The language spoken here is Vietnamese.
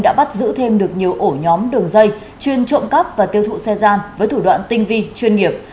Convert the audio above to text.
đã bắt giữ thêm được nhiều ổ nhóm đường dây chuyên trộm cắp và tiêu thụ xe gian với thủ đoạn tinh vi chuyên nghiệp